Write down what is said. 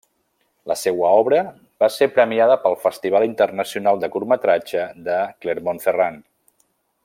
La seua obra va ser premiada pel Festival Internacional de curtmetratge de Clermont-Ferrand.